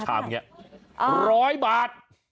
ชามนี้๑๐๐บาท